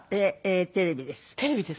テレビです。